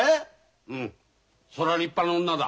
うんそりゃ立派な女だ。